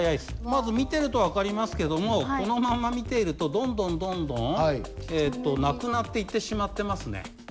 まず見てると分かりますけどもこのまんま見ているとどんどんどんどん無くなっていってしまってますね。